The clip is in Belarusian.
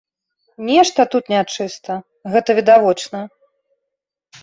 Нешта тут нячыста, гэта відавочна.